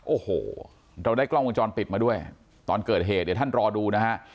โอ้โหเราได้กล้องวงจรปิดมาด้วยตอนเกิดเหตุเดี๋ยวท่านรอดูนะฮะ